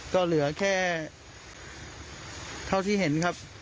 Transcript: ก็เหลือแค่เท่าที่เห็นครับ